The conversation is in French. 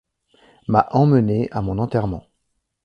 m'a emmené à mon enterrement.